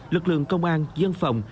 lực lượng công an dân phòng